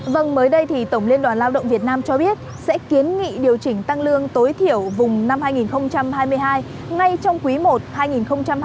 vâng mới đây thì tổng liên đoàn lao động việt nam cho biết sẽ kiến nghị điều chỉnh tăng lương tối thiểu vùng năm hai nghìn hai mươi hai ngay trong quý i hai nghìn hai mươi bốn